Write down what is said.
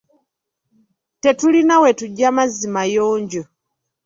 Tetulina we tuggya mazzi mayonjo.